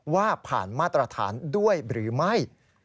ว่าผ่านมาตรฐานด้วยหรือไม่